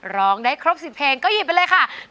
ร้องได้ครบ๑๐เพลงก็หยิบไปเลยค่ะ